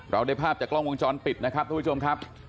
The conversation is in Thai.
ได้ภาพจากกล้องวงจรปิดนะครับทุกผู้ชมครับ